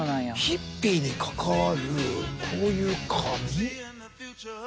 ヒッピーに関わるこういう紙？